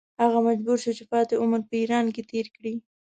هغه مجبور شو چې پاتې عمر په ایران کې تېر کړي.